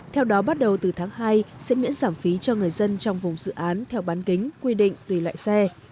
theo đó bắt đầu từ tháng hai sẽ miễn giảm phí cho người dân trong vùng dự án theo bán kính quy định tùy loại xe